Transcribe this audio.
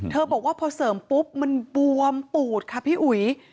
บอกว่าพอเสริมปุ๊บมันบวมปูดค่ะพี่อุ๋ย